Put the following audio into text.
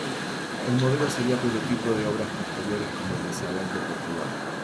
El modelo sería prototipo de obras posteriores como el de Isabel de Portugal.